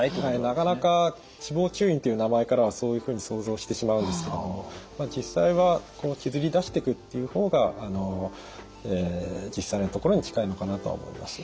なかなか脂肪吸引という名前からはそういうふうに想像してしまうんですけれどもまあ実際はこう削り出してくっていう方が実際のところに近いのかなとは思います。